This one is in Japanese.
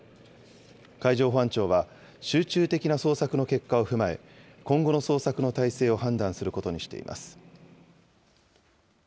海上保安庁は、集中的な捜索の結果を踏まえ、今後の捜索の態勢を判断することにしています。